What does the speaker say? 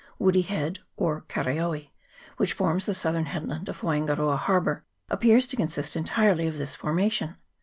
Woody Head, or Karaoe, which, forms the southern head land of Waingaroa Harbour, appears to consist en tirely of this formation.